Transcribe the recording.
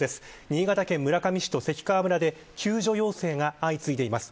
新潟県村上市と関川村で救助要請が相次いでいます。